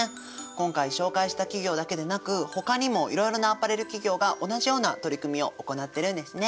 今回紹介した企業だけでなくほかにもいろいろなアパレル企業が同じような取り組みを行ってるんですね。